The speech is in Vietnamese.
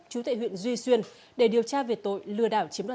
chú tệ huyện duy xuyên để điều tra về tội lừa đảo